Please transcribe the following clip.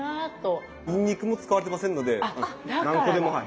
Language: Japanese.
にんにくも使われてませんので何個でもはい。